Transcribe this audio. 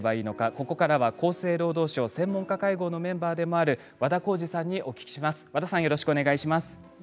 ここからは厚生労働省専門家会合のメンバーでもある和田耕治さんにお聞きします。